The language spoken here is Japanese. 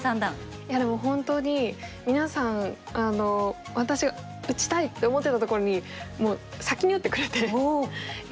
いやでも本当に皆さん私が打ちたいと思ってたところにもう先に打ってくれていや